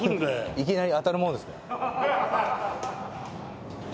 いきなり当たるものですね。